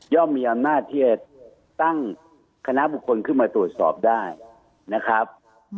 มีอำนาจที่จะตั้งคณะบุคคลขึ้นมาตรวจสอบได้นะครับ